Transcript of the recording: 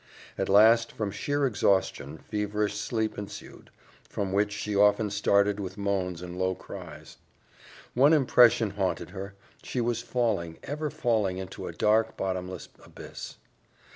At last, from sheer exhaustion, feverish sleep ensued, from which she often started with moans and low cries. One impression haunted her she was falling, ever falling into a dark, bottomless abyss.